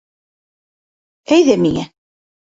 Әйҙә миңә.